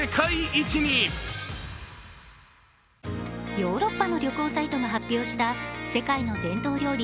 ヨーロッパの旅行サイトが発表した世界の伝統料理